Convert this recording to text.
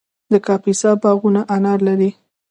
د کاپیسا باغونه انار لري.